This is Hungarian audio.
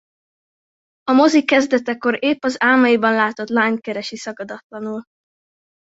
A mozi kezdetekor épp az álmaiban látott lányt keresi szakadatlanul.